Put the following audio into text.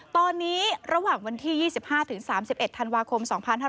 ตอนนี้ระหว่างวันที่๒๕๓๑ธันวาคม๒๕๕๙